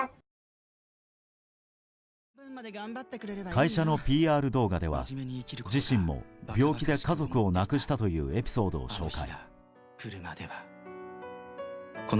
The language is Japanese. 会社のＰＲ動画では自身も病気で家族を亡くしたというエピソードを紹介。